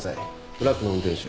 トラックの運転手。